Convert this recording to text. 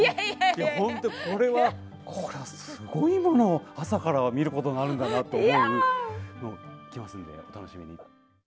本当、これはすごいものを朝から見ることになるんだなと思うのきますので、お楽しみに。